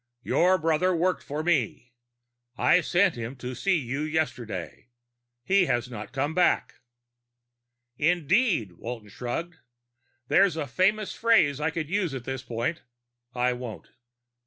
"Your brother worked for me. I sent him to see you yesterday. He has not come back." "Indeed?" Walton shrugged. "There's a famous phrase I could use at this point. I won't."